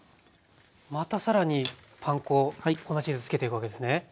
また更にパン粉粉チーズつけていくわけですね。